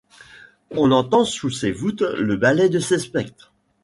On entend sous ces voûtes le balai de ces spectres.